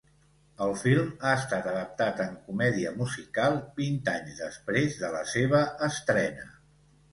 El film ha estat adaptat en comèdia musical, vint anys després de la seva estrena.